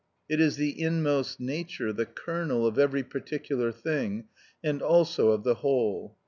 It is the inmost nature, the kernel, of every particular thing, and also of the whole.